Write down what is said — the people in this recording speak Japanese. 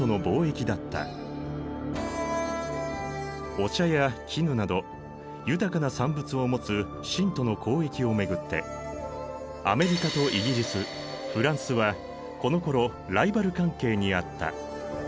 お茶や絹など豊かな産物を持つ清との交易を巡ってアメリカとイギリスフランスはこのころライバル関係にあった。